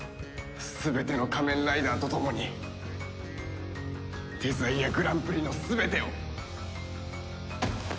全ての仮面ライダーと共にデザイアグランプリの全てを！